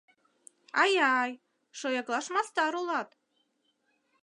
Ай-ай, шояклаш мастар улат!